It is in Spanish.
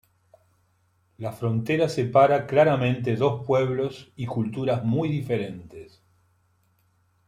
La frontera separa claramente dos pueblos y culturas muy diferentes.